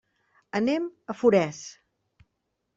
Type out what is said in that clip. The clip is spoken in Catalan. Anem a Forès.